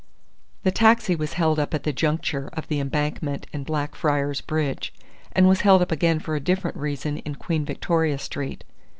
The taxi was held up at the juncture of the Embankment and Blackfriars Bridge, and was held up again for a different reason in Queen Victoria Street.